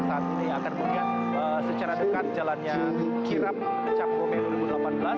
saat ini akan melihat secara dekat jalannya kirap cap gome dua ribu delapan belas